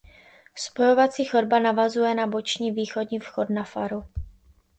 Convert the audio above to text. Spojovací chodba navazuje na boční východní vchod na faru.